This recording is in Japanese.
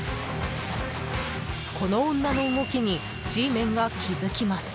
この女の動きにＧメンが気づきます。